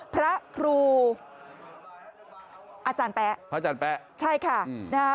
พระครูอาจารย์แป๊ะพระอาจารย์แป๊ะใช่ค่ะนะฮะ